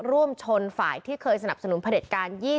ร่วมชนฝ่ายที่เคยสนับสนุนผลิตการ๒๐